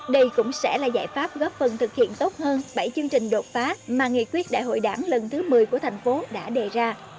đây cũng sẽ là giải pháp góp phần thực hiện tốt hơn bảy chương trình đột phá mà nghị quyết đại hội đảng lần thứ một mươi của thành phố đã đề ra